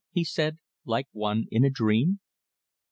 he said, like one in a dream.